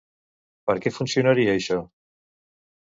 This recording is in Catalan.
Per què funcionaria, això?